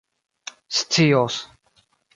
scios